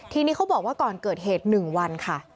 ทีนี้เขาบอกว่าก่อนเกิดเหตุ๑วันค่ะ